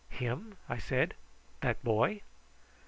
"Him!" I said; "that boy?"